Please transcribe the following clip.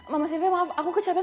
mama silvia maaf aku kecapek